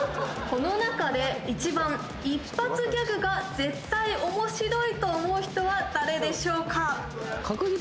この中で１番一発ギャグが絶対面白いと思う人は誰でしょうか？